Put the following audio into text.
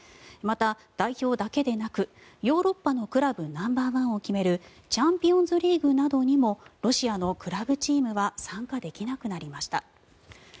また、代表だけでなくヨーロッパクラブナンバーワンを決めるチャンピオンズリーグなどにもロシアのクラブチームは参加できなくなりました。